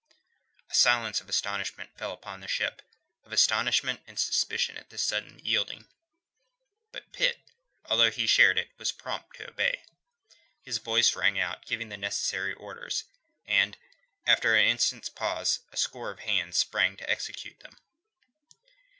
A silence of astonishment fell upon the ship of astonishment and suspicion at this sudden yielding. But Pitt, although he shared it, was prompt to obey. His voice rang out, giving the necessary orders, and after an instant's pause, a score of hands sprang to execute them.